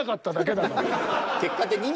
結果的に。